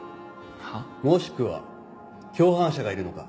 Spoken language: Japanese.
はっ？もしくは共犯者がいるのか？